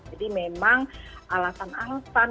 jadi memang alasan alasan